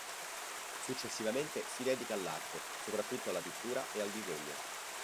Successivamente, si dedica all'arte, soprattutto alla pittura e al disegno.